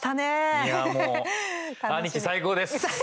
いやあ、もう兄貴、最高です！